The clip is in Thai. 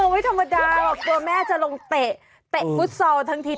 ไม่ธรรมดาว่าตัวแม่จะลงเตะฟุตซอลทั้งที